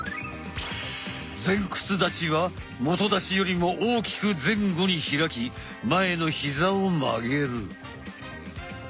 前屈立ちは基立ちよりも大きく前後に開き前の膝を曲げる。